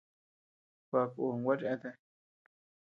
Baʼa kun gua cheatea.